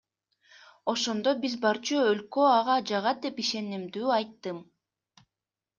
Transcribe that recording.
Ошондо, биз барчу өлкө ага жагат деп ишенимдүү айттым.